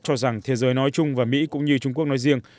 cho rằng thế giới nói chung và mỹ cũng như trung quốc nói riêng